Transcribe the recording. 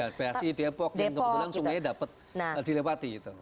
ya bekasi depok yang kebetulan sungai dapat dilewati gitu